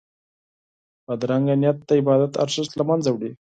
بدرنګه نیت د عبادت ارزښت له منځه وړي